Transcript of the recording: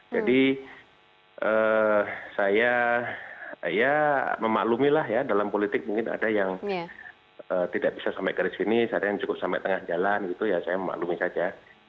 jadi saya memaklumilah dalam politik mungkin ada yang tidak bisa sampai ke sini ada yang cukup sampai tengah jalan saya memaklumi saja